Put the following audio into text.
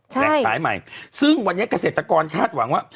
ขายใหม่ซึ่งวันนี้เกษตรกรคาดหวังว่า